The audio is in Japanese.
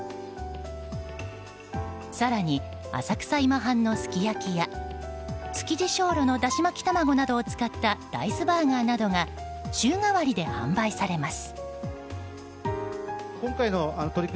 更に浅草今半のすき焼やつきぢ松露のだし巻き卵などを使ったライスバーガーなどが週替わりで販売されます。